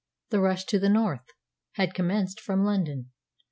"The rush to the North" had commenced from London.